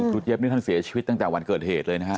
ครูเจี๊ยบนี่ท่านเสียชีวิตตั้งแต่วันเกิดเหตุเลยนะครับ